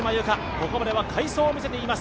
ここまでは快走を見せています。